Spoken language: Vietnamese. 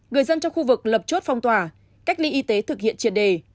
người dân trong khu vực lập chốt phong tỏa cách ly y tế thực hiện triệt đề